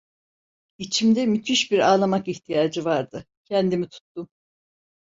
İçimde müthiş bir ağlamak ihtiyacı vardı, kendimi tuttum.